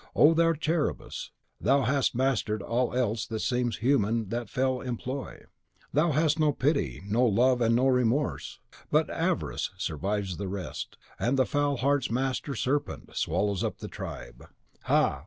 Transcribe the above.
O thou Cerberus, thou hast mastered all else that seems human in that fell employ! Thou hast no pity, no love, and no remorse. But Avarice survives the rest, and the foul heart's master serpent swallows up the tribe. Ha!